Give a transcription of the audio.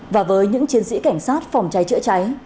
và với những chiến sĩ cảnh sát phòng cháy chữa cháy